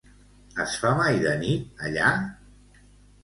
Es fa mai de nit, allà?